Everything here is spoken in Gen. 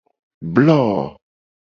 Blo.